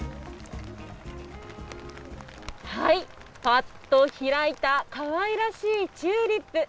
ぱっと開いたかわいらしいチューリップ。